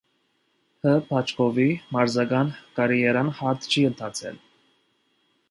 Հ. Բաչկովի մարզական կարիերան հարթ չի ընթացել։